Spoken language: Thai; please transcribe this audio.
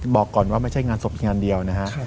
บอกก่อนว่าไม่ใช่งานศพงานเดียวนะฮะ